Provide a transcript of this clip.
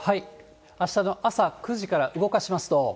あしたの朝９時から動かしますと。